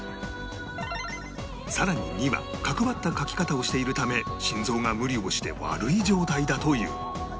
さらに２は角ばった書き方をしているため心臓が無理をして悪い状態だという